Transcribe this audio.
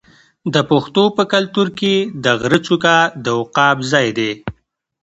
د پښتنو په کلتور کې د غره څوکه د عقاب ځای دی.